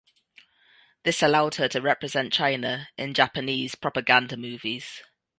This allowed her to represent China in Japanese propaganda movies.